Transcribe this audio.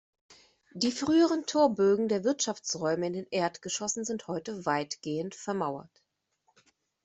Die früheren Torbögen der Wirtschaftsräume in den Erdgeschossen sind heute weitgehend vermauert.